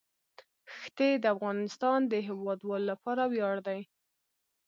ښتې د افغانستان د هیوادوالو لپاره ویاړ دی.